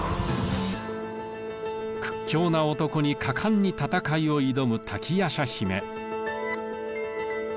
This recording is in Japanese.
屈強な男に果敢に戦いを挑む瀧夜叉姫。